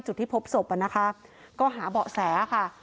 จุดที่พบศพก็หาเบาะแส